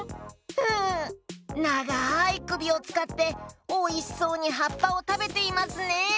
うんながいくびをつかっておいしそうにはっぱをたべていますね。